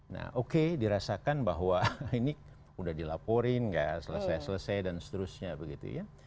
nah oke dirasakan bahwa ini udah dilaporin gak selesai selesai dan seterusnya begitu ya